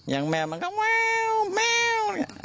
ยังแมวก็เว่าเว่า